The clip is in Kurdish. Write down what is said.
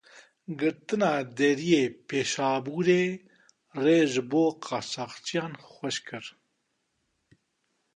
Girtina deriyê Pêşabûrê rê ji bo qaçaxçiyan xweş kir.